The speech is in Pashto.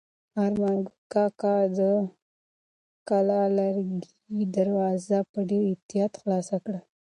ارمان کاکا د کلا لرګینه دروازه په ډېر احتیاط خلاصه کړه.